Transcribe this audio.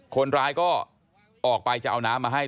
คนร้ายก็ออกไปจะเอาน้ำมาให้